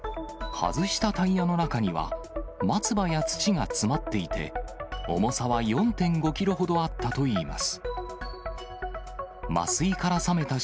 外したタイヤの中には、松葉や土が詰まっていて、重さは４．５キロほどあったといいます。